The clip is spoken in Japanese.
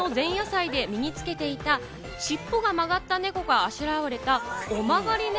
王将戦の前夜祭で身につけていた尻尾が曲がったねこがあしらわれた、尾曲がりね